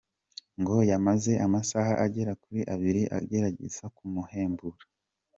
Ngo yamaze amasaha agera kuri abiri agerageza kumuhembura.